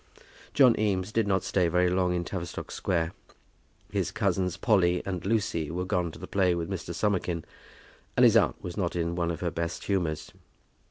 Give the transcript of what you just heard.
John Eames did not stay very long in Tavistock Square. His cousins Polly and Lucy were gone to the play with Mr. Summerkin, and his aunt was not in one of her best humours.